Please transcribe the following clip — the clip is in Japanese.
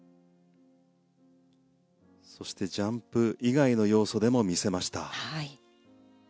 そして、ジャンプ以外の要素でも見せました。